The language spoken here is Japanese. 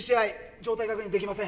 状態確認できません。